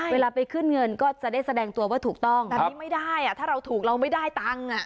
เวลาไปขึ้นเงินก็จะได้แสดงตัวว่าถูกต้องแบบนี้ไม่ได้ถ้าเราถูกเราไม่ได้ตังค์อ่ะ